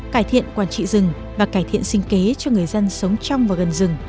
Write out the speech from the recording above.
cải thiện quản trị rừng và cải thiện sinh kế cho người dân sống trong và gần rừng